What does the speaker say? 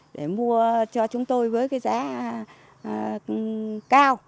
để mua cho chúng tôi với giá cao